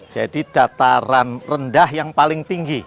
jadi dataran rendah yang paling tinggi